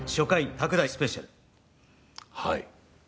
はい。